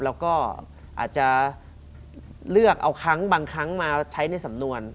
แล้วก็อาจจะเลือกเอาครั้งบางครั้งมาใช้ในสำนวน